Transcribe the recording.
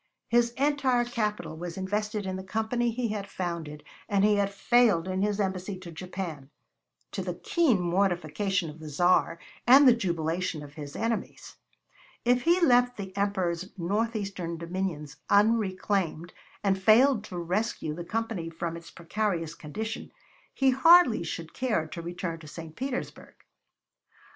His entire capital was invested in the Company he had founded, and he had failed in his embassy to Japan to the keen mortification of the Tsar and the jubilation of his enemies. If he left the Emperor's northeastern dominions unreclaimed and failed to rescue the Company from its precarious condition, he hardly should care to return to St. Petersburg.